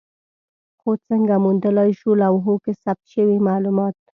خو څنګه موندلای شو لوحو کې ثبت شوي مالومات؟